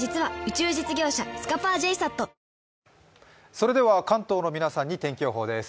それでは、関東の皆さんに天気予報です。